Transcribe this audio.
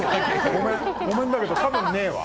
ごめんだけど多分ねえわ。